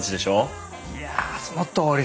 いやそのとおり！